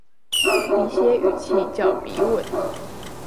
筆寫語氣叫筆吻